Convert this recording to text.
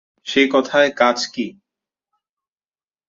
সে কথায় কাজ কী।